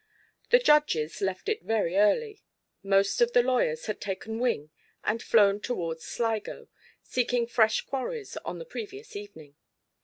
The judges left it very early; most of the lawyers had taken wing and flown towards Sligo, seeking fresh quarries, on the previous evening.